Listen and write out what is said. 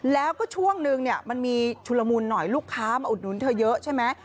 แล้วก็ช่วงนึงเนี่ยมันมีชุลมุนหน่อยลูกค้ามาอุดหนุนเธอเยอะใช่ไหม